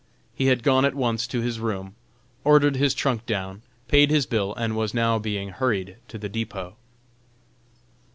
He had gone at once to his room, ordered his trunk down, paid his bill and was now being hurried to the depot.